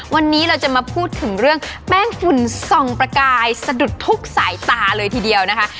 วันนี้เราจะมาพูดถึงเรื่องแป้งฝุ่นส่องประกายสะดุดทุกสายตาเลยทีเดียวนะคะ